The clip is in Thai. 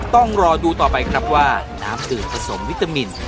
ต้องรอดูต่อไปครับว่าน้ำดื่มผสมวิตามิน